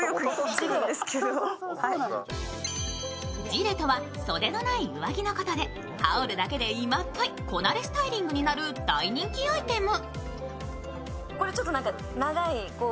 ジレとは袖のない上着のことで、羽織るだけで今っぽいこなれスタイリングになる大人気アイテム。